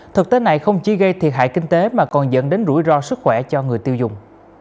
thực tế này không chỉ gây thiệt hại kinh tế mà còn dẫn đến rủi ro sức khỏe cho người tiêu dùng